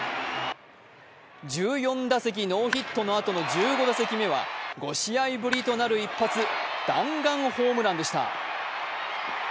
１４打席ノーヒットのあとの１５打席目は５試合ぶりとなる一発、弾丸ホームランでした。